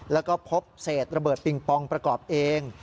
แล้วก็พบเศษระเบิดปิงปองประกอบเอง